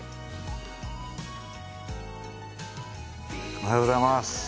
おはようございます。